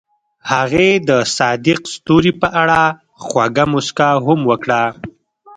هغې د صادق ستوري په اړه خوږه موسکا هم وکړه.